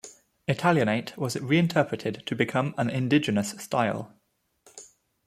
Italianate was reinterpreted to become an indigenous style.